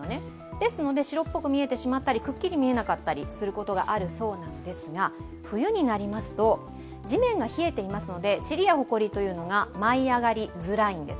ですので白っぽく見えてしまったりくっきり見えなかったりすることがあるそうなんですが冬になりますと、地面が冷えていますのでちりやほこりが舞い上がりづらいんです。